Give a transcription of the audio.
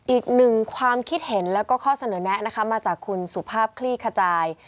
อีกหนึ่งความคิดเห็นแล้วก็ข้อเสนอแนะนะคะมาจากคุณสุภาพคลี่ขจาย